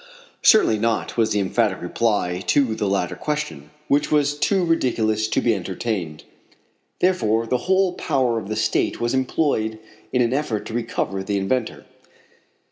Certainly not, was the emphatic reply to the latter question, which was too ridiculous to be entertained. Therefore the whole power of the State was employed in an effort to recover the inventor.